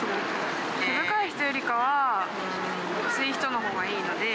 毛深い人よりかは、薄い人のほうがいいので。